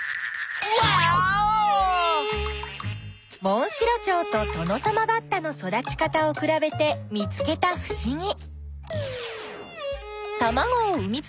モンシロチョウとトノサマバッタの育ち方をくらべて見つけたふしぎ。